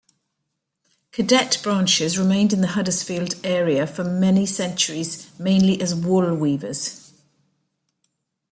Cadet branches remained in the Huddersfield are for many centuries mainly as wool weavers.